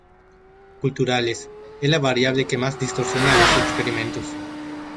Culturales: es la variable que más distorsiona los experimentos.